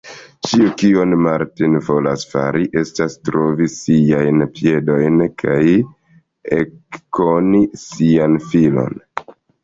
Ĉio, kion Martin volas fari, estas trovi siajn piedojn kaj ekkoni sian filon.